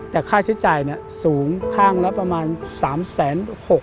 แต่ค่าใช้จ่ายเนี่ยสูงข้างละประมาณ๓๖แสน